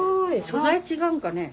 素材違うんかね。